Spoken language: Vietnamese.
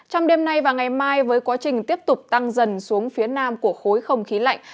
trong đêm nay và ngày mai với quá trình tiếp tục tăng dần xuống phía nam của khối không khí lạnh